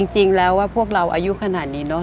จริงแล้วว่าพวกเราอายุขนาดนี้เนอะ